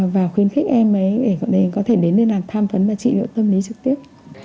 và khuyến khích em ấy để có thể đến đây là tham vấn và trị liệu tâm lý trực tiếp